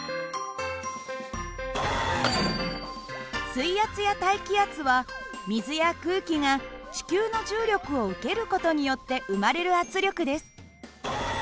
水圧や大気圧は水や空気が地球の重力を受ける事によって生まれる圧力です。